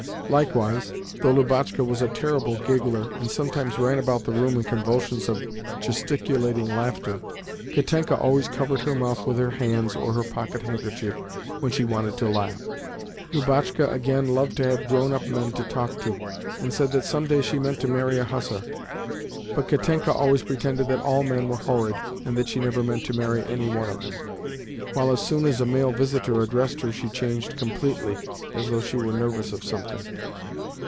Likewise, though Lubotshka was a terrible giggler, and sometimes ran about the room in convulsions of gesticulating laughter, Katenka always covered her mouth with her hands or her pocket handkerchief when she wanted to laugh. Lubotshka, again, loved to have grown up men to talk to, and said that some day she meant to marry a hussar, but Katenka always pretended that all men were horrid, and that she never meant to marry any one of them, while as soon as a male visitor addressed her she changed completely, as though she were nervous of something.